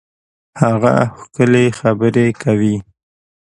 هغه ښکلي خبري کوي.